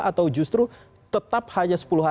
atau justru tetap hanya sepuluh hari saja minimal